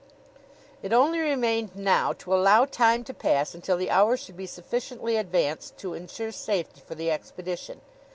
It only remained now to allow time to pass until the hour should be sufficiently advanced to insure safety for the expedition.